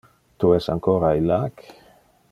Tu es ancora illac?